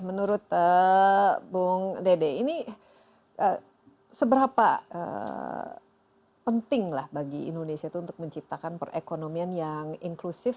menurut bung dede ini seberapa penting lah bagi indonesia itu untuk menciptakan perekonomian yang inklusif